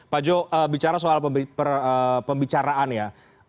pak jo bicara soal pembicaraan ya